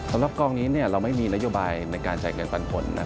สำหรับกองนี้เราไม่มีนโยบายในการจ่ายเงินปันผล